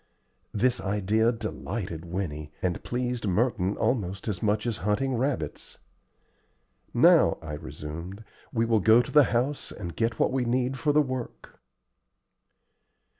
This idea delighted Winnie, and pleased Merton almost as much as hunting rabbits. "Now," I resumed, "we will go to the house and get what we need for the work."